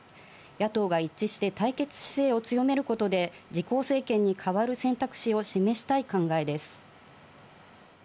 野党が一致して対決姿勢を強めることで自公政権に代わる選択肢を示したい考えです。